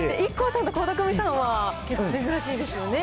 ＩＫＫＯさんと倖田來未さんは結構、珍しいですよね。